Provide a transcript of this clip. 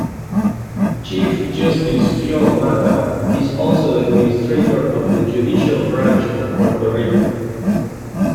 Chief Justice Fiool-Matta is also the administrator of the Judicial Branch of Puerto Rico.